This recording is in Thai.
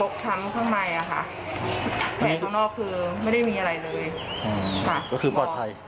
ก็คือปลอดภัย